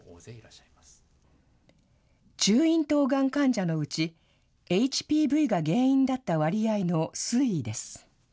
中咽頭がん患者のうち、ＨＰＶが原因だった割合の推移です。